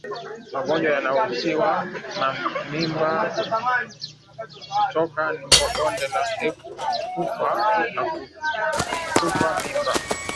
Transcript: Magonjwa yanayohusishwa na mimba kutoka ni bonde la ufa na kutupa mimba